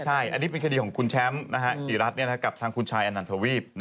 ใช่อันนี้เป็นคดีของคุณแชมป์กี่รัฐกับทางคุณชายอนันทวีป